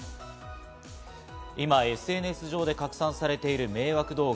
今、ＳＮＳ上で拡散されている迷惑動画。